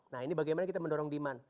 nah ini bagaimana kita mendorong demand